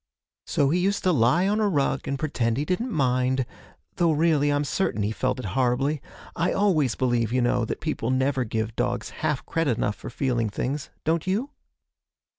So he used to lie on a rug and pretend he didn't mind, though, really, I'm certain he felt it horribly. I always believe, you know, that people never give dogs half credit enough for feeling things, don't you?